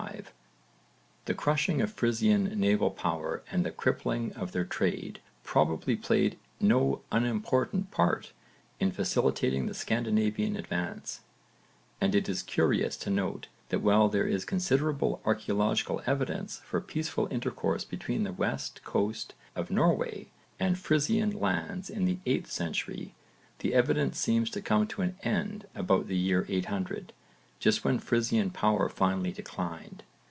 The crushing of Frisian naval power and the crippling of their trade probably played no unimportant part in facilitating the Scandinavian advance, and it is curious to note that while there is considerable archaeological evidence for peaceful intercourse between the west coast of Norway and Frisian lands in the 8th century, that evidence seems to come to an end about the year 800, just when Frisian power finally declined.